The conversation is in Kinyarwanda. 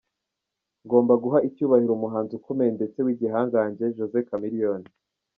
Ngomba guha icyubahiro umuhanzi ukomeye ndetse w’igihangange Jose Chameleone”.